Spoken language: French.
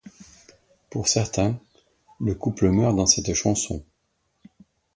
Pour certains, le couple meurt dans cette chanson.